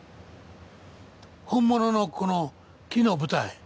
本物のこの木の舞台。